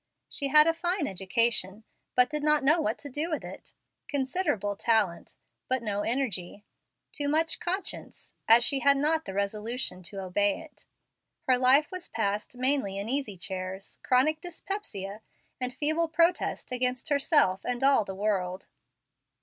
She had a fine education, but did not know what to do with it; considerable talent, but no energy; too much conscience, as she had not the resolution to obey it. Her life was passed mainly in easy chairs, chronic dyspepsia, and feeble protest against herself and all the world.